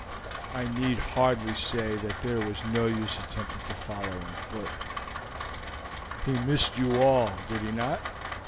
I need hardly say that there was no use attempting to follow on foot. He missed you all, did he not?"